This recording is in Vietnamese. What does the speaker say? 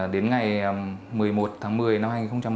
đến ngày một mươi một tháng một mươi năm hai nghìn một mươi